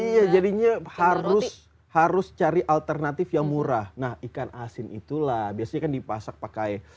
iya jadinya harus harus cari alternatif yang murah nah ikan asin itulah biasanya kan dipasang pakai